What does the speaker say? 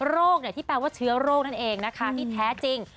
โรคที่แปลว่าเชื้อโรคนั่นเองนะคะที่แท้จริง